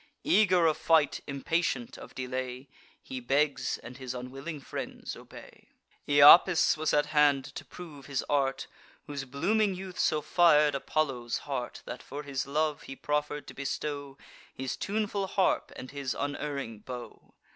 Eager of fight, impatient of delay, He begs; and his unwilling friends obey. Iapis was at hand to prove his art, Whose blooming youth so fir'd Apollo's heart, That, for his love, he proffer'd to bestow His tuneful harp and his unerring bow.